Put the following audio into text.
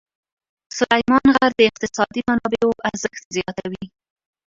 سلیمان غر د اقتصادي منابعو ارزښت زیاتوي.